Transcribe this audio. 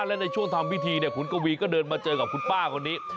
และในช่วงทำพิธีขุนกวีก็เดินมาเจอกับคุณป้าคนนี้